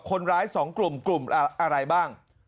๒กลุ่มกลุ่มอะไรบ้าง